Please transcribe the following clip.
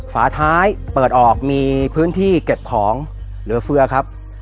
ฝาท้ายเปิดออกมีพื้นที่เก็บของเหลือเฟือครับ